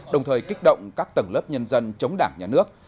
đồng thời kích động các tầng lớp nhân dân chống đảng nhà nước